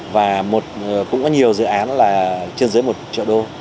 và cũng có nhiều dự án là trên dưới một triệu đô